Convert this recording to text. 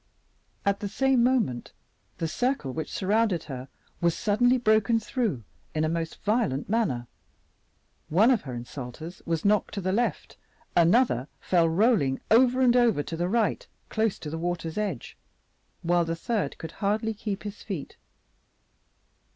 At the same moment the circle which surrounded her was suddenly broken through in a most violent manner. One of her insulters was knocked to the left, another fell rolling over and over to the right, close to the water's edge, while the third could hardly keep his feet.